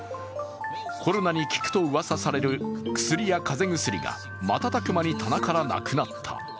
コロナに効くとうわさされる薬や風邪薬が瞬く間に棚からなくなった。